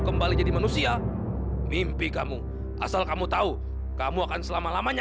kembali jadi manusia mimpi kamu asal kamu tahu kamu akan selama lamanya